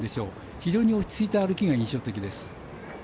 非常に落ち着いた歩きが印象的です。